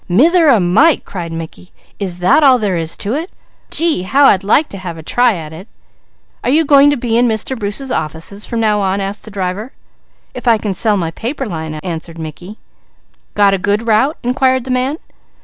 "Mither o' Mike!" cried Mickey. "Is that all there is to it? Gee, how I'd like to have a try at it." "Are you going to be in Mr. Bruce's office from now on?" asked the driver. "If I can sell my paper line," answered Mickey. "Got a good route?" inquired the man.